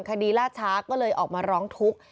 ล่าช้าก็เลยออกมาร้องทุกข์